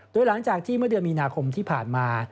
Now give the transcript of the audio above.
โดยหลังจากที่เมื่อเดือนมีนาคมที่ผ่านมา